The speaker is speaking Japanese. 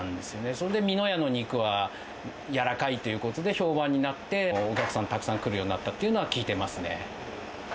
それでみの家の肉は、やらかいということで評判になって、お客さんたくさん来るようになったっていうのは聞いてますね。